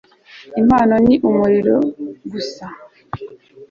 Impano ni umuriro gusa